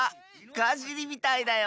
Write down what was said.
ガジリみたいだよ。